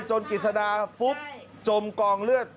กิจสดาฟุบจมกองเลือด